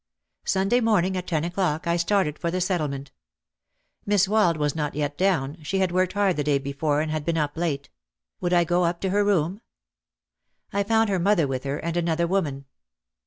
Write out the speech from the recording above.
Sunday morning at ten o'clock I started for the Set tlement. Miss Wald was not yet down, she had worked hard the day before and had been up late; would I go OUT OF THE SHADOW 277 up to her room? I found her mother with her and an other woman.